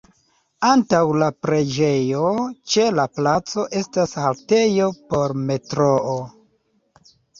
Antaŭ la preĝejo ĉe la placo estas haltejo por metroo.